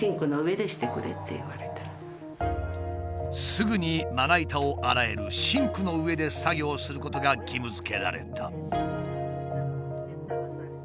すぐにまな板を洗えるシンクの上で作業することが義務づけられた。